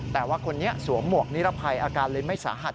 แต่ว่าคนนี้สวมหมวกนิรภัยอาการเลยไม่สาหัส